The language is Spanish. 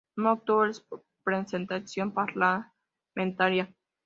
No obtuvo representación parlamentaria.